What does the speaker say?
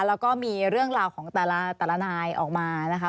แล้วก็มีเรื่องราวของแต่ละนายออกมานะคะ